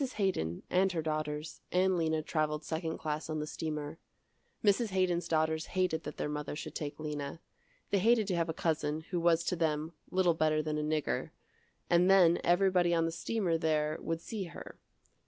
Haydon, and her daughters, and Lena traveled second class on the steamer. Mrs. Haydon's daughters hated that their mother should take Lena. They hated to have a cousin, who was to them, little better than a nigger, and then everybody on the steamer there would see her.